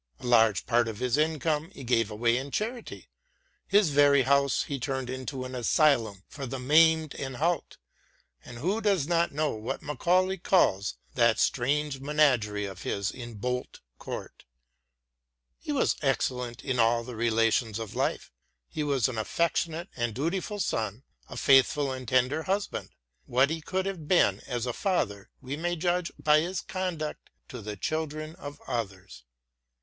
A large part of his income he gave away in charity. His very house he • Boswell's " Life of Johnson." 30 SAMUEL JOHNSON turned into an asylum for the maimed and halt — and who does not know what Macaulay calls that strange menagerie of his in Bolt Court ? He was excellent in all the relations of life. He was an affectionate and dutiful son, a faithful and tender husband ; what he would have been as a father we may judge by his conduct to the children of others.